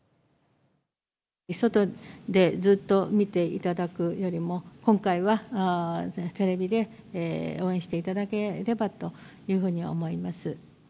外でずっと見ていただくよりも、今回はテレビで応援していただければというふうに思います。